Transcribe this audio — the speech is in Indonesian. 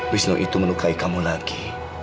wisnu itu melukai kamu lagi